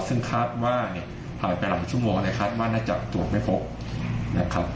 ซึ่งคาดว่าผ่านไปหลายชั่วโมงคาดว่าน่าจะตรวจไม่พบ